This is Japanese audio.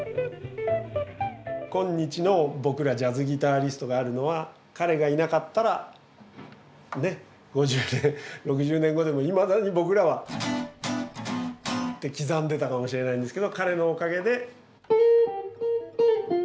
今日の僕らジャズギタリストがあるのは彼がいなかったらねっ５０年６０年後でもいまだに僕らはって刻んでたかもしれないんですけど彼のおかげで。